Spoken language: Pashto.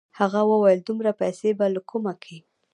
هغه وويل دومره پيسې به له کومه کې.